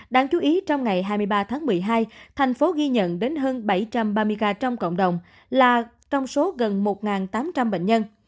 đáng chú ý trong ngày hai mươi ba tháng một mươi hai thành phố ghi nhận đến hơn bảy trăm ba mươi ca trong cộng đồng là trong số gần một tám trăm linh bệnh nhân